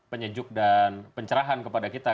penyejuk dan pencerahan kepada kita